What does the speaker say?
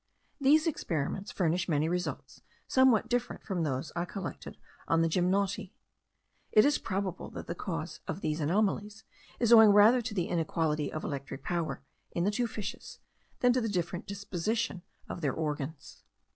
These experiments furnish many results somewhat different from those I collected on the gymnoti. It is probable that the cause of these anomalies is owing rather to the inequality of electric power in the two fishes, than to the different disposition of their organs.